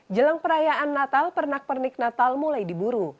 jelang perayaan natal pernak pernik natal mulai diburu